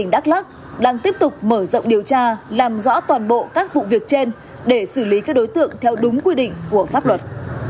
đắk lắc đang tiếp tục mở rộng điều tra làm rõ toàn bộ các vụ việc trên để xử lý các đối tượng theo đúng quy định của pháp luật